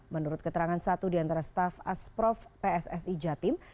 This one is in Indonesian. menurut keterangan satu di antara staff asprof pssi jatim